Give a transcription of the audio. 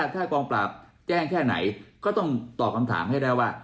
ถ้ากองปราบแจ้งแค่ไหนก็ต้องตอบคำถามให้ได้ว่า